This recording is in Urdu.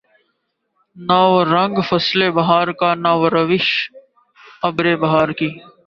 نہ وہ رنگ فصل بہار کا نہ روش وہ ابر بہار کی